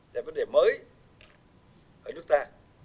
đây là vấn đề mới ở nước ta